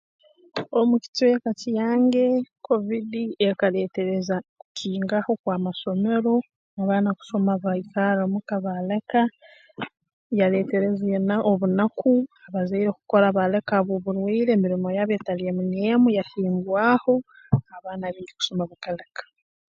Omu kicweka kyange kovidi ekaleetereza kukingaho kw'amasomero abaana kusoma baikarra muka baaleka yaleetereza ena obu enaku abazaire kukora baaleka habw'oburwaire emirimo yabo etali emu n'emu yakingwaho abaana abaingi kusoma kukaleka